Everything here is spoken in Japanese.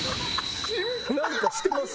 何かしてます？